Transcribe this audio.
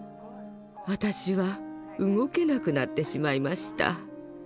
私は動けなくなってしまいました。